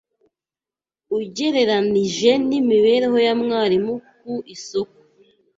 ugereranije n’imibereho ya mwalimu ku isoko